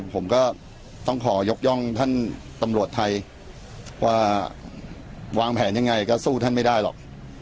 ผมก็ต้องขอยกย่องท่านตำรวจไทยว่าวางแผนยังไงก็สู้ท่านไม่ได้หรอก